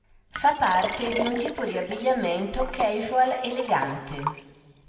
Fa parte di un tipo di abbigliamento casual-elegante.